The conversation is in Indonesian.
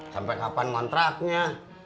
sampai kapan kontraknya